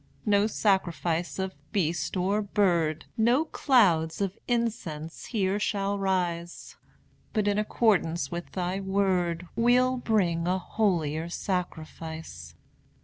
No sacrifice of beast or bird, No clouds of incense here shall rise, But, in accordance with thy word We'll bring a holier sacrifice.